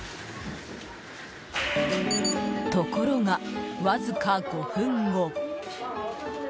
ところが、わずか５分後。